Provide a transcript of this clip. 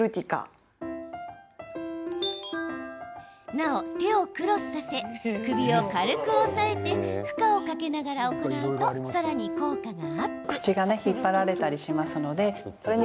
なお、手をクロスさせ首を軽く押さえて負荷をかけながら行うとさらに効果がアップ。